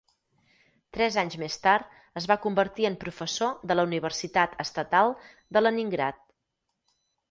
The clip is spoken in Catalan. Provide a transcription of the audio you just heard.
Tres anys més tard es va convertir en professor de la Universitat Estatal de Leningrad.